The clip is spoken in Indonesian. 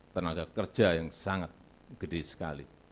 tenaga kerja yang sangat gede sekali